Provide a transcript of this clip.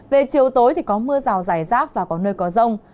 về chiều tối thì có mưa rào dài rác và có nơi có rông